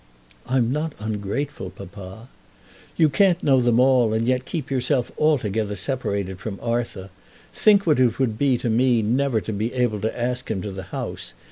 "I'm not ungrateful, papa." "You can't know them all, and yet keep yourself altogether separated from Arthur. Think what it would be to me never to be able to ask him to the house.